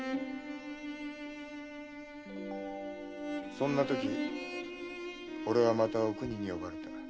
そんなとき俺はまたお邦に呼ばれた。